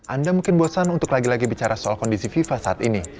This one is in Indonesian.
anda mungkin bosan untuk lagi lagi bicara soal kondisi fifa saat ini